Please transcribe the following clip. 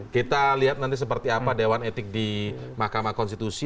kita lihat nanti seperti apa dewan etik di mahkamah konstitusi